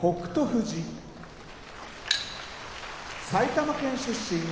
富士埼玉県出身